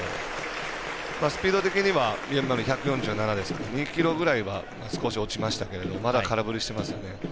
スピード的には、１４７ですから２キロぐらいは落ちましたけどまだ空振りしてますよね。